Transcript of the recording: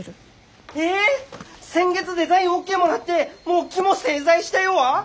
先月デザインオーケーもらってもう木も製材したよわ？